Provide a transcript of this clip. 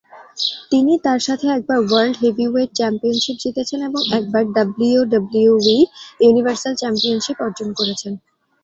তিনি তার সাথে একবার ওয়ার্ল্ড হেভিওয়েট চ্যাম্পিয়নশিপ জিতেছেন এবং একবার ডাব্লিউডাব্লিউই ইউনিভার্সাল চ্যাম্পিয়নশিপ অর্জন করেছেন।